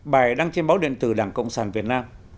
bài đăng trên báo điện tử đảng cộng sản việt nam